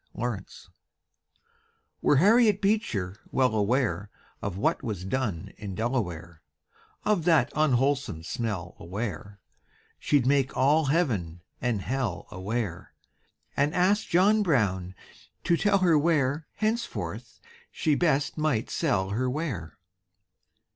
TABB Were Harriet Beecher well aware Of what was done in Delaware, Of that unwholesome smell aware, She'd make all heaven and hell aware, And ask John Brown to tell her where Henceforth she best might sell her ware.